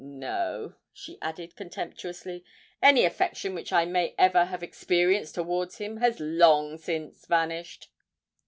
No," she added contemptuously: "any affection which I may ever have experienced towards him, has long since vanished."